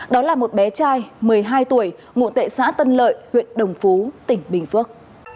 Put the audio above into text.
đó là một bé trai một mươi hai tuổi ngụ tệ xã tân lợi huyện đồng phú tỉnh bình phước